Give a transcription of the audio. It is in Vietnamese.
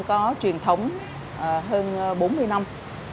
có truyền thống hơn bốn mươi năm